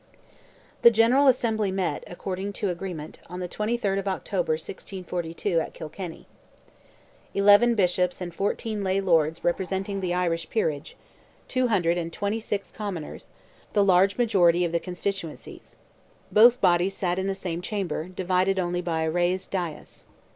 The General Assembly met, according to agreement, on the 23rd of October, 1642, at Kilkenny. Eleven bishops and fourteen lay lords represented the Irish peerage; two hundred and twenty six commoners, the large majority of the constituencies. Both bodies sat in the same chamber, divided only by a raised dais.